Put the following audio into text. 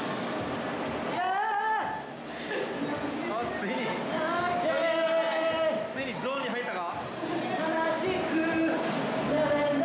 ついにゾーンに入ったか？